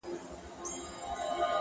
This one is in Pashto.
پروت لا پر ساحل ومه توپان راسره وژړل-